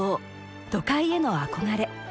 都会への憧れ。